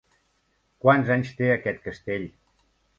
Quants anys té aquest castell?